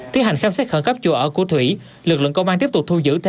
thiết hành khám xét khẩn cấp chùa ở của thủy lực lượng công an tiếp tục thu giữ